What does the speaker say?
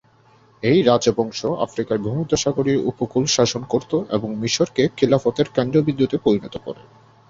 এই রাজবংশ আফ্রিকার ভূমধ্যসাগরীয় উপকূল শাসন করত এবং মিশরকে খিলাফতের কেন্দ্রবিন্দুতে পরিণত করে।